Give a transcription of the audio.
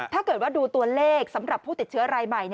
ถ้าเกิดว่าดูตัวเลขสำหรับผู้ติดเชื้อรายใหม่